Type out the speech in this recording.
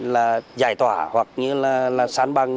là giải tỏa hoặc như là sán băng